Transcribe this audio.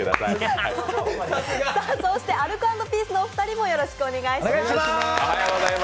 アルコ＆ピースのお二人もよろしくお願いします。